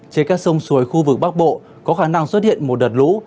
trên các sông suối khu vực bắc bộ có khả năng xuất hiện một đợt lũ